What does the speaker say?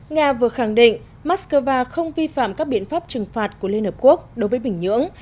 nga vừa khẳng định moscow không vi phạm các biện pháp trừng phạt của liên hợp quốc đối với bình nhưỡng